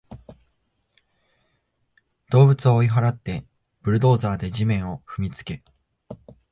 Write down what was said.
動物を追い払って、ブルドーザーで地面を踏みつけ